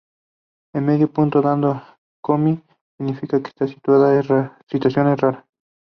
El medio punto dado en el komi significa que esta situación es rara.